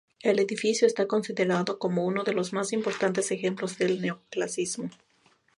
El edificio está considerado como uno de los más importantes ejemplos del Neoclasicismo.